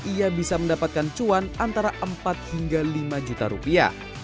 ia bisa mendapatkan cuan antara empat hingga lima juta rupiah